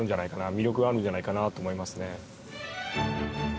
魅力があるんじゃないかなと思いますね。